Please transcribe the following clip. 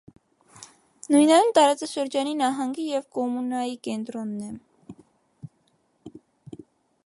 Նույնանուն տարածաշրջանի, նահանգի և կոմունայի կենտրոնն է։